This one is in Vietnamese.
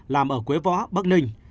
làm ở quế võ bắc ninh